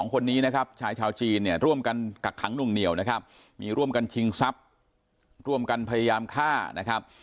คนนี้นะครับชายชาวจีนเนี่ยร่วมกันกักขังหนุ่งเหนียวนะครับมีร่วมกันชิงทรัพย์ร่วมกันพยายามฆ่านะครับ